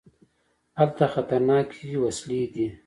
هلته خطرناکې وسلې دي.